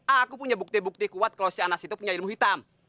aku punya bukti bukti kuat kalau si anas itu punya ilmu hitam